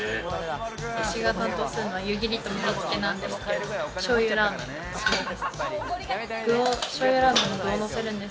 私が担当するのは湯切りと盛り付けなんですけど、しょうゆラーメンが得意です。